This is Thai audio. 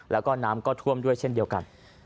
แล้วก็น้ำก็ท่วมด้วยเช่นเดียวกัน